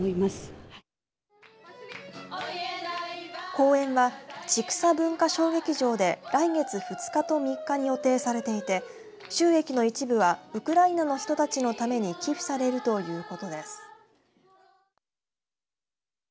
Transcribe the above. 公演は千種文化小劇場で来月２日と３日に予定されていて収益の一部はウクライナの人たちのために寄付されるということです。